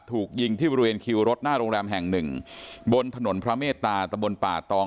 ถูกยิงที่บริเวณคิวรถหน้าโรงแรมแห่งหนึ่งบนถนนพระเมตตาตะบนป่าตอง